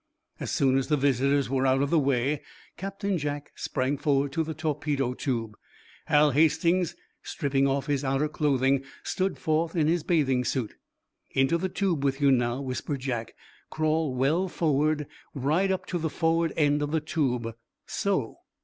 As soon as the visitors were out of the way, Captain Jack sprang forward to the torpedo tube. Hal Hastings, stripping off his outer clothing, stood forth in his bathing suit. "Into the tube with you, now," whispered Jack. "Crawl well forward right up to the forward end of the tube so.